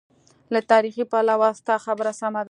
له تاریخي پلوه ستا خبره سمه ده.